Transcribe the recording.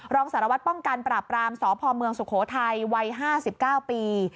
รองสารวัตรป้องกันปราบรามสพเมืองสุโขทัยวัย๕๙ปี